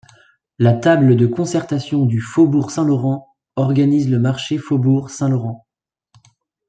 La table de concertation du faubourg Saint-Laurent organise le marché faubourg Saint-Laurent.